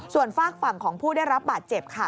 ส่วนฝากฝั่งของผู้ได้รับบาดเจ็บค่ะ